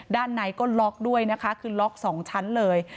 ด้านในก็ล็อกด้วยนะคะคือล็อก๒ชั้นเลย